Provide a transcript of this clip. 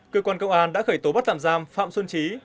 cơ quan công an đã khởi tố bắt tạm giam phạm xuân trí